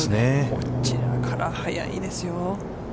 こちらから、速いですよ。